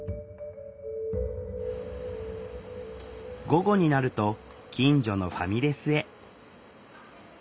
午後になると近所のファミレスへ。